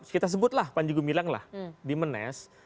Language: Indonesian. kita sebutlah panjegu milang lah di menes